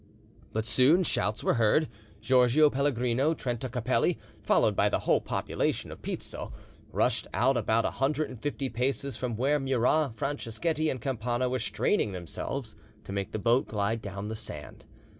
But soon shouts were heard: Giorgio Pellegrino, Trenta Capelli, followed by the whole population of Pizzo, rushed out about a hundred and fifty paces from where Murat, Franceschetti, and Campana were straining themselves to make the boat glide down the sand.